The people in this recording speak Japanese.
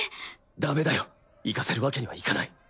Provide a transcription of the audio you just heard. ダメだよ行かせるわけにはいかない。